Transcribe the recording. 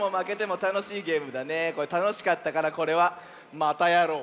これたのしかったからこれはまたやろう！